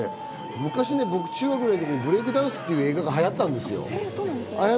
昔、中学の時にブレイクダンスっていう映画が流行ったんですよ。